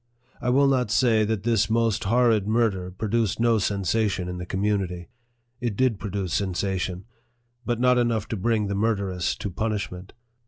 I will not say that this most horrid murder produced no sensation in the community. It did produce sensation, but not enough to bring the murderess to punishment.